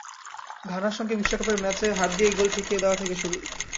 ঘানার সঙ্গে বিশ্বকাপের ম্যাচে হাত দিয়ে গোল ঠেকিয়ে দেওয়া থেকে শুরু।